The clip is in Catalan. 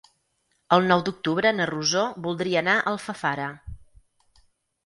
El nou d'octubre na Rosó voldria anar a Alfafara.